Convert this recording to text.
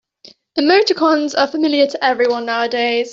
Emoticons are familiar to everyone nowadays.